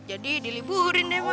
jadi diliburin deh mak